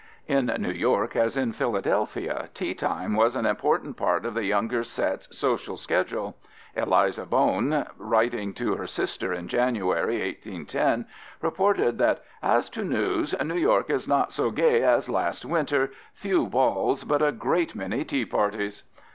" In New York as in Philadelphia teatime was an important part of the younger set's social schedule. Eliza Bowne, writing to her sister in January 1810, reported that "as to news New York is not so gay as last Winter, few balls but a great many tea parties."